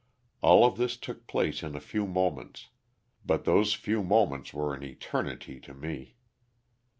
All of this took place in a few moments, but those few moments were an eternity to me.